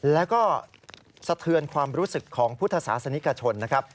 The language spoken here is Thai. แล้วก็สะเทือนความรู้สึกของพุทธศาสนิกชนนะครับ